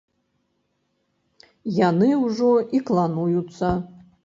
Яны ўжо і клануюцца.